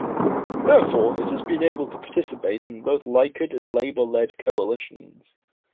Therefore, it has been able to participate in both Likud- and Labour-led coalitions.